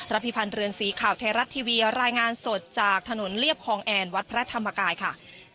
พิพันธ์เรือนสีข่าวไทยรัฐทีวีรายงานสดจากถนนเรียบคลองแอนวัดพระธรรมกายค่ะ